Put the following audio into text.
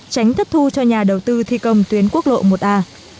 tránh thất thu cho nhà đầu tư thi công tuyến quốc lộ một a